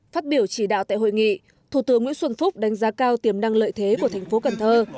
phát biểu chỉ đạo tại hội nghị thủ tướng nguyễn xuân phúc đánh giá cao tiềm năng lợi thế của thành phố cần thơ